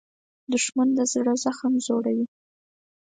دښمن د زړه زخم زوړوي